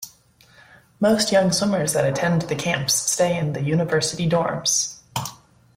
Most young swimmers that attend the camps stay in the University dorms.